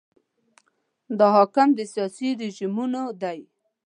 دا حاکم سیاسي رژیمونه دي.